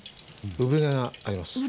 産毛あります。